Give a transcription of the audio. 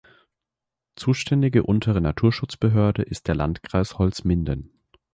Zuständige untere Naturschutzbehörde ist der Landkreis Holzminden.